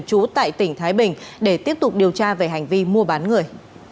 trú tại tỉnh thái bình để tiếp tục điều tra về hành vi mua bán người